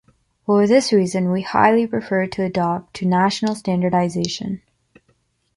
For this reason we highly prefer to adopt to national standardization.